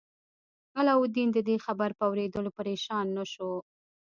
علاوالدین د دې خبر په اوریدو پریشان نه شو.